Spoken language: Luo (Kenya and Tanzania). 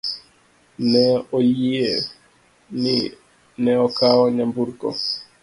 Ne oyie ni ne okawo nyamburko.